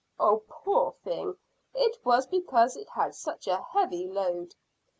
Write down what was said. "Oh, poor thing, it was because it had such a heavy load."